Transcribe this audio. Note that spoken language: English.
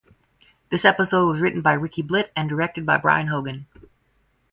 The episode was written by Ricky Blitt and directed by Brian Hogan.